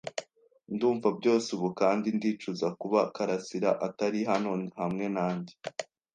Ndumva byose ubu kandi ndicuza kuba karasira atari hano hamwe nanjye.